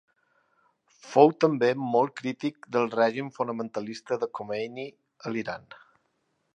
Fou també molt crític del règim fonamentalista de Khomeini a l'Iran.